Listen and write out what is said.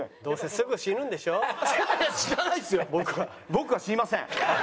僕は死にません。